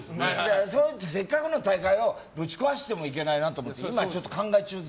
せっかくの大会をぶち壊してもいけないなと今、ちょっと考え中です。